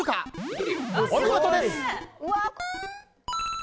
お見事です！